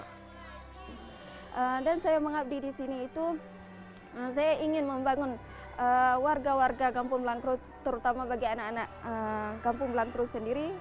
saya mengabdi di sini itu saya ingin membangun warga warga kampung belangkru terutama bagi anak anak kampung belangkrum sendiri